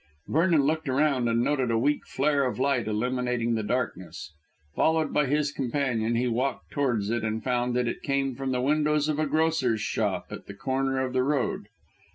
Vernon looked around and noted a weak flare of light illuminating the darkness. Followed by his companion, he walked towards it and found that it came from the windows of a grocer's shop at the corner of the road.